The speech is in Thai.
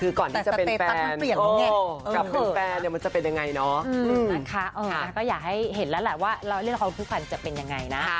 เรายินดีที่ร่วมงานกับเขาแน่นอน